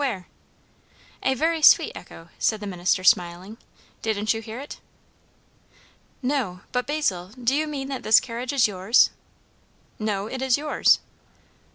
"Where?" "A very sweet echo," said the minister, smiling. "Didn't you hear it?" "No. But Basil, do you mean that this carriage is yours?" "No; it is yours."